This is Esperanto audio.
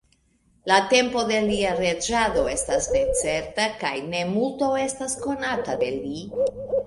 La tempo de lia reĝado estas necerta kaj ne multo estas konata de li.